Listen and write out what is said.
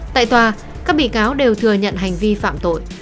tại tòa các bị cáo đều thừa nhận hành vi phạm tội